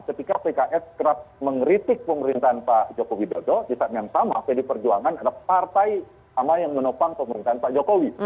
ketika pks kerap mengkritik pemerintahan pak jokowi dodo di saat yang sama pd perjuangan adalah partai sama yang menopang pemerintahan pak jokowi